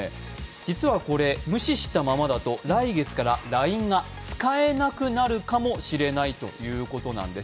実はこれ無視したままだと来月からＬＩＮＥが使えなくなるかもしれないということなんです